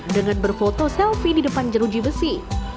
dengan berfoto selfie di depan jeruji besi